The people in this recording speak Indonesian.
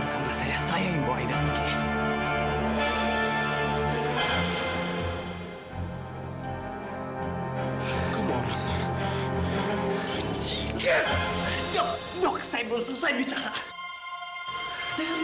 bersama saya saya yang mau aida pergi kemu